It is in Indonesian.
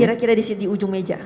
kira kira di ujung meja